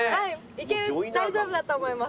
いける大丈夫だと思います。